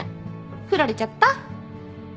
振られちゃった。